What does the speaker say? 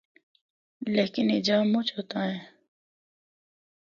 لیکن اے جا مُچ اُتاں ہے۔